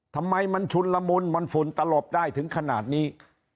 ทำไมมันชุนละมุนมันฝุ่นตลบได้ถึงขนาดนี้